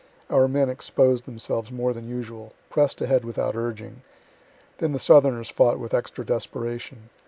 Our men exposed themselves more than usual; press'd ahead without urging. Then the southerners fought with extra desperation.